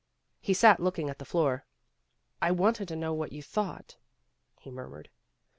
He sat looking at the floor. "I wanted to know what you thought," he murmured.